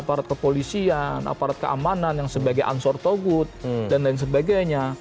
aparat kepolisian aparat keamanan yang sebagai ansor togut dan lain sebagainya